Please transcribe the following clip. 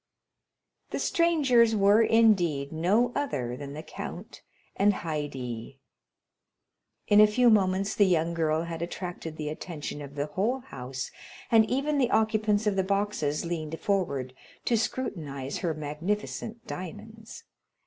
The strangers were, indeed, no other than the count and Haydée. In a few moments the young girl had attracted the attention of the whole house, and even the occupants of the boxes leaned forward to scrutinize her magnificent diamonds.